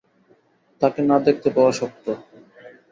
তাকে না দেখতে পাওয়া শক্ত।